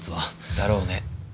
だろうね。